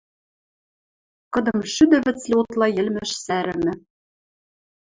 кыдым шӱдӹ вӹцлӹ утла йӹлмӹш сӓрӹмӹ.